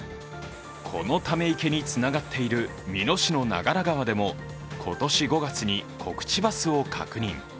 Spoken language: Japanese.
このため池につながっている美濃市の長良川でも今年５月にコクチバスを確認。